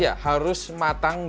iya harus matangnya